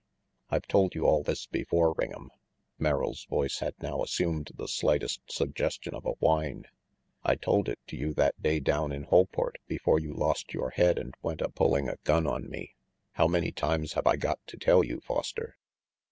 I've told you all this before, Ring'em." Merrill's voice had now assumed the slightest suggestion of a whine. "I told it to you that day down in Holport before you lost your head and went a pulling a gun on me. How many times have I got to tell you, Foster?"